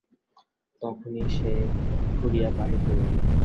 তখনই সে খুঁড়িয়া বাহির করিল।